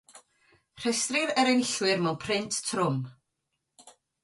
Rhestrir yr enillwyr mewn print trwm.